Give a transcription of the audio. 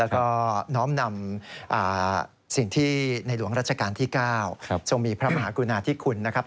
แล้วก็น้อมนำสิ่งที่ในหลวงรัชกาลที่๙ทรงมีพระมหากรุณาธิคุณนะครับ